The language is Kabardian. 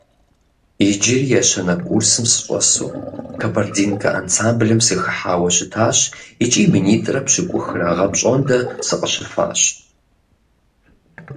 Иджыри ещанэ курсым сыщӀэсу, «Кабардинка» ансамблым сыхыхьауэ щытащ икӀи минитӀрэ пщӀыкӀухрэ гъэ пщӀондэ сыкъыщыфащ.